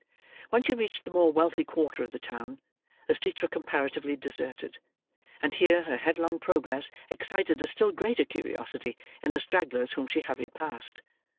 When she reached the more wealthy quarter of the town, the streets were comparatively deserted; and here her headlong progress excited a still greater curiosity in the stragglers whom she hurried past.